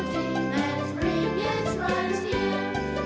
เจ้า